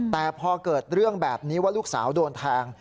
แต่พอเกิดเรื่องแบบนี้ว่าลูกสาวโดนแทง